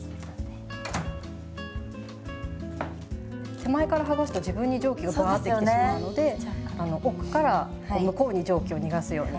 手前からはがすと自分に蒸気がブアーって来てしまうのであの奥からこう向こうに蒸気を逃がすように。